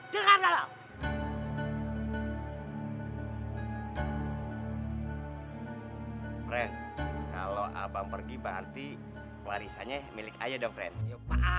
kenapa mata lu kedip kedip